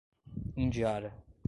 Indiara